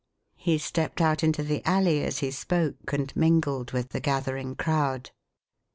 He stepped out into the alley as he spoke and mingled with the gathering crowd.